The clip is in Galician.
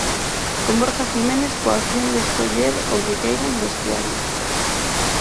Con Borja Jiménez coa opción de escoller o que queira no vestiario.